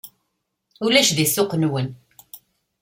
Ulac di ssuq-nwen!